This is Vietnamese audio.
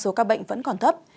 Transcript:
số ca bệnh vẫn còn thấp